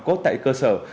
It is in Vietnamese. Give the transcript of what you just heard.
và cốt tại cơ sở